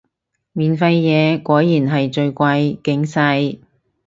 免費嘢果然係最貴，警世